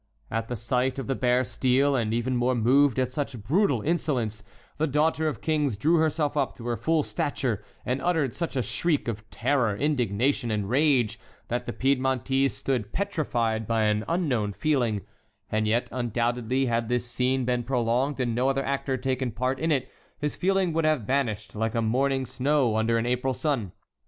At the sight of the bare steel, and even more moved at such brutal insolence, the daughter of kings drew herself up to her full stature and uttered such a shriek of terror, indignation, and rage that the Piedmontese stood petrified by an unknown feeling; and yet undoubtedly had this scene been prolonged and no other actor taken part in it, his feeling would have vanished like a morning snow under an April sun.